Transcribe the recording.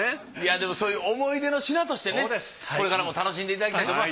でもそういう思い出の品としてこれからも楽しんでいただきたいと思います。